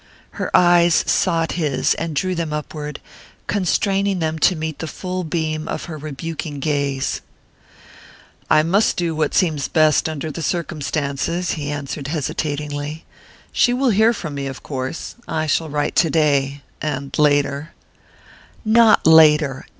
Her eyes sought his and drew them upward, constraining them to meet the full beam of her rebuking gaze. "I must do what seems best under the circumstances," he answered hesitatingly. "She will hear from me, of course; I shall write today and later " "Not later!